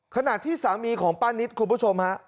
ขณะที่สามีของป้านิตคุณผู้ชมฮะ